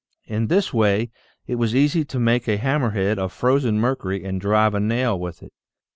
In this way it was easy to make a ham mer head of frozen mercury and drive a nail with it.